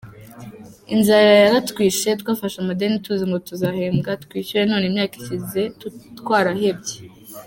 Inzara yaratwishe, twafashe amadeni tuzi ngo tuzahembwa twishyure none imyaka ishize twarahebye.